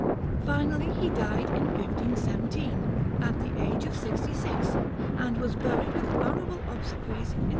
Finally he died in 1517, at the age of sixty six, and was buried with honourable obsequies in S.